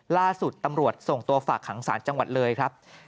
ล่าสุดตำรวจส่งตัวฝากขังศาลจังหวัดเลยครับ